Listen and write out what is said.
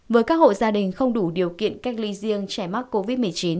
với các hộ gia đình không đủ điều kiện cách ly riêng trẻ mắc covid một mươi chín